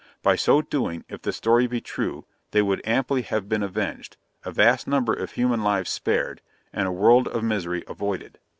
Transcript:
By so doing, if the story be true, they would amply have been avenged, a vast number of human lives spared, and a world of misery avoided.